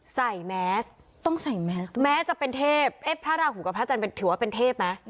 ใส่แมสต์ต้องใส่แมสต์แมสต์จะเป็นเทพเอ๊ะพระราหูกับพระจันทร์เป็นถือว่าเป็นเทพไหม